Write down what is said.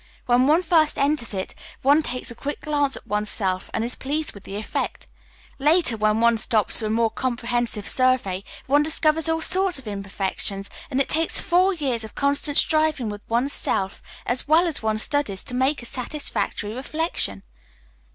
When one first enters it, one takes a quick glance at one's self and is pleased with the effect. Later, when one stops for a more comprehensive survey, one discovers all sorts of imperfections, and it takes four years of constant striving with one's self as well as one's studies to make a satisfactory reflection."